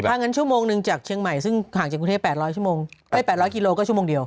ถ้างั้นชั่วโมงหนึ่งจากเชียงใหม่ซึ่งห่างจากกรุงเทพ๘๐๐ชั่วโมงได้๘๐๐กิโลก็ชั่วโมงเดียว